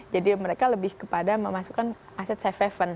jadi mereka lebih kepada memasukkan aset safe haven